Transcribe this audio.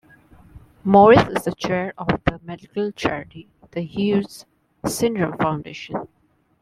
Morris is the Chair of the medical charity, the Hughes Syndrome Foundation.